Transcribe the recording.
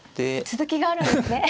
続きがあるんですね。